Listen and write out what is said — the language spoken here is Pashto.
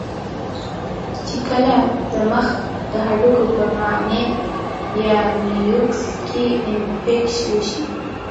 چې کله د مخ د هډوکو پۀ مائع يا ميوکس کې انفکشن اوشي